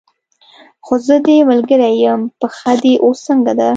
خو زه دې ملګرې یم، پښه دې اوس څنګه ده؟